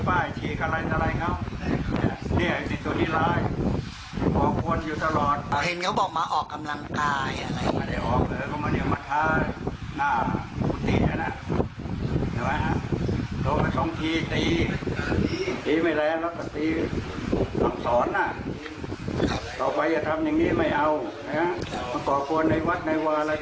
อาวาสบอกว่านายธวัดชัยเป็นลูกศิษย์